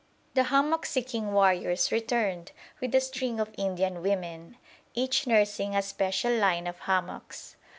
The hammock seeking warriors returned with a string of Indian women, each nursing "a special line" of hammocks.